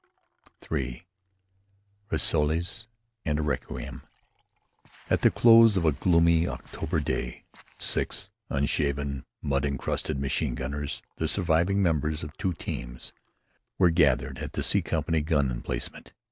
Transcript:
III. RISSOLES AND A REQUIEM At the close of a gloomy October day, six unshaven, mud encrusted machine gunners, the surviving members of two teams, were gathered at the C Company gun emplacement.